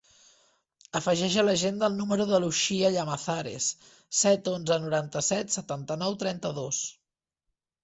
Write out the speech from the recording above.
Afegeix a l'agenda el número de l'Uxia Llamazares: set, onze, noranta-set, setanta-nou, trenta-dos.